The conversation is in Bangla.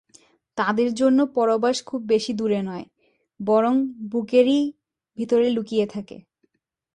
তাঁদের জন্য পরবাস খুব বেশি দূরে নয়, বরং বুকেরই ভেতরে লুকিয়ে থাকে।